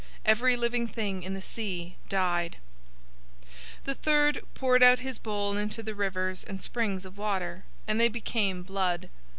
Every living thing in the sea died. 016:004 The third poured out his bowl into the rivers and springs of water, and they became blood.